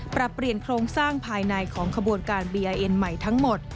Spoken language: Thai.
ปรับเปลี่ยนโครงสร้างภายในของขบวนการบีเอ็นใหม่ทั้งหมด